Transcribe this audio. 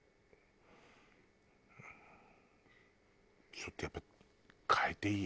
ちょっとやっぱり変えていい？